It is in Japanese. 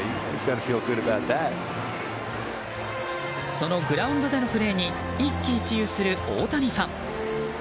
そのグラウンドでのプレーに一喜一憂する大谷ファン。